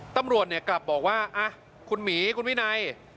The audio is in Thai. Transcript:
ตำรวจกลับบอกว่าคุณหมีคุณวินัย